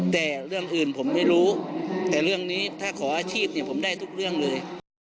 แต่เรื่องอื่นผมไม่รู้แต่เรื่องนี้ถ้าขออาชีพเนี่ยผมได้ทุกเรื่องเลย